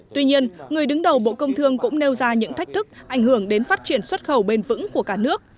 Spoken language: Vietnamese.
tuy nhiên người đứng đầu bộ công thương cũng nêu ra những thách thức ảnh hưởng đến phát triển xuất khẩu bền vững của cả nước